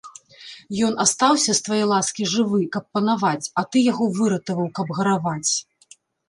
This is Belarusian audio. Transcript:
Ён астаўся, з твае ласкі, жывы, каб панаваць, а ты яго выратаваў, каб гараваць.